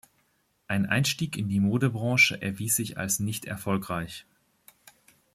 Ein Einstieg in die Modebranche erwies sich als nicht erfolgreich.